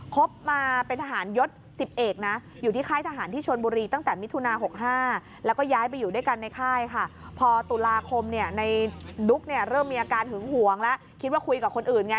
ก็ห่วงแล้วคิดว่าคุยกับคนอื่นไง